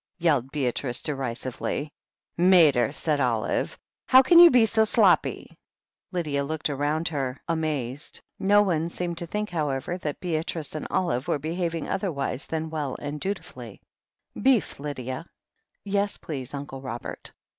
yelled Beatrice derisively, "Mater !" said Olive, "how can you be so sloppy ?" Lydia looked rotmd her, amazed. No one seemed to THE HEEL OF ACHILLES 55 think, however, that Beatrice and Olive were behaving otherwise than well and dutifuUu "Beef, Lydia?" ^' "Yes, please, Uncle Robert."